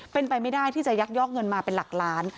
เป็นไปไม่ได้ที่จะยักยอกเงินมาเป็นหลักล้าน